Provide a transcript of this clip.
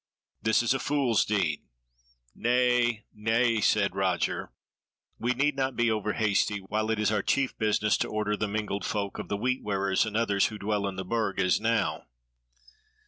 This is a fool's deed." "Nay, nay," said Roger, "we need not be over hasty, while it is our chief business to order the mingled folk of the Wheat wearers and others who dwell in the Burg as now."